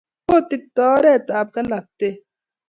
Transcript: kutitko oret ap ghalalet